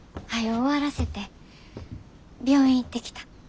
終わらせて病院行ってきた。